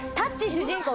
主人公